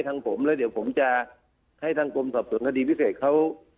ของผมแล้วเดี๋ยวผมจะให้ทางกรมสอบสวนคดีพิเศษเขา